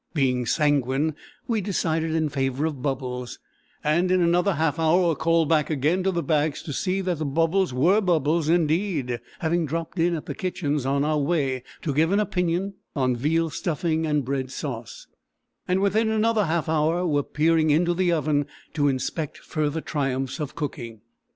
Being sanguine, we decided in favour of bubbles, and in another half hour were called back again to the bags to see that the bubbles were bubbles indeed, having dropped in at the kitchens on our way to give an opinion on veal stuffing and bread sauce; and within another half hour were peering into the oven to inspect further triumphs of cooking.